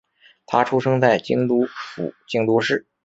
她出生在京都府京都市。